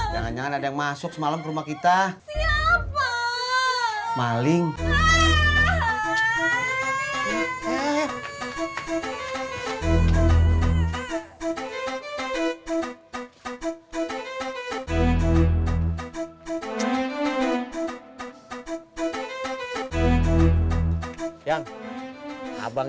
jangan jangan ada yang masuk semalam rumah kita maling